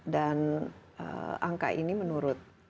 dan angka ini menurut